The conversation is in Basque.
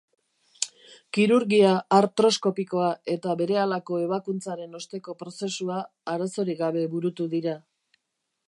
Kirurgia artroskopikoa eta berehalako ebakuntzaren osteko prozesua arazorik gabe burutu dira.